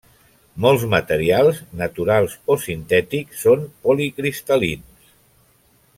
Molts materials, naturals o sintètics, són policristal·lins.